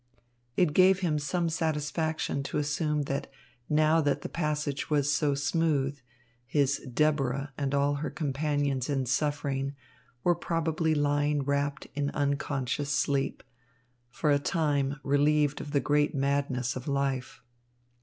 It gave him some satisfaction to assume that now that the passage was so smooth, his Deborah and all her companions in suffering were probably lying wrapt in unconscious sleep, for a time relieved of the great madness of life.